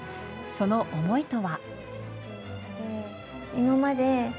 その思いとは。